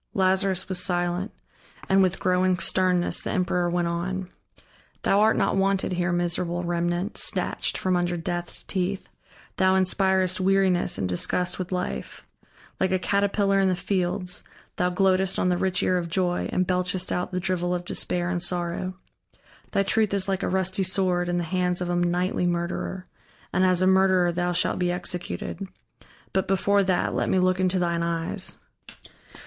Lazarus was silent, and with growing sternness the emperor went on: "Thou art not wanted here, miserable remnant, snatched from under Death's teeth, thou inspirest weariness and disgust with life; like a caterpillar in the fields, thou gloatest on the rich ear of joy and belchest out the drivel of despair and sorrow. Thy truth is like a rusty sword in the hands of a nightly murderer, and as a murderer thou shalt be executed. But before that, let me look into thine eyes.